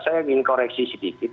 saya ingin koreksi sedikit